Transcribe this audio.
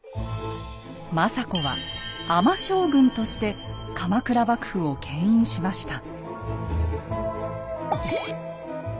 政子は「尼将軍」として鎌倉幕府を牽引しました。